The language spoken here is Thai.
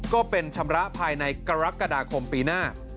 ก็เป็นชำระภายในกรกฎาคมปีหน้า